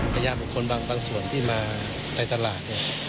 พยายามบางคนบางส่วนที่มาในตลาด